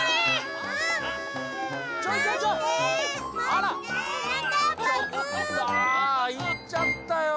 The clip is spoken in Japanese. あいっちゃったよ